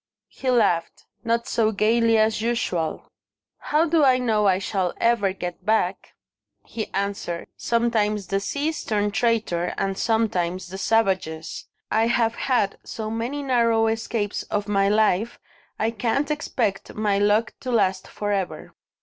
He laughed not so gaily as usual. "How do I know I shall ever get back?" he answered. "Sometimes the seas turn traitor, and sometimes the savages. I have had so many narrow escapes of my life, I can't expect my luck to last for ever."